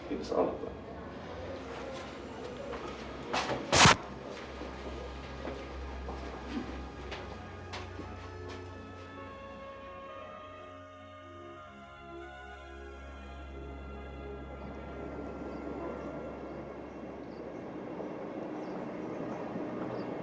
insya allah pak